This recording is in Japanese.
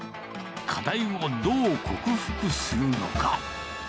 課題をどう克服するのか。